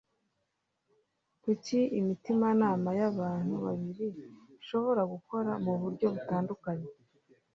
kuki imitimanama y abantu babiri ishobora gukora mu buryo butandukanye